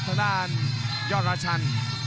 ตัดหน้ายอลราชัน